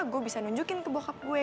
gue bisa nunjukin ke bokap gue